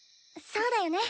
そうだよね。